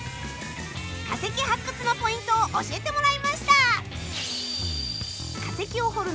化石発掘のポイントを教えてもらいました！